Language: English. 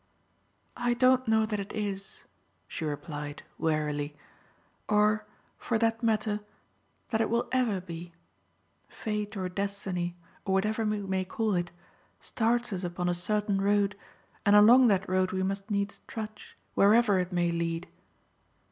"I don't know that it is," she replied, wearily, "or, for that matter, that it will ever be. Fate or destiny, or whatever we may call it, starts us upon a certain road, and along that road we must needs trudge, wherever it may lead."